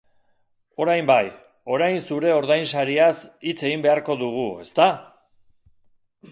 Orain bai, orain zure ordainsariaz hitz egin beharko dugu, ezta?